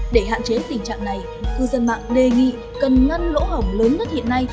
để hạn chế tình trạng này cư dân mạng đề nghị cần ngăn lỗ hỏng lớn nhất hiện nay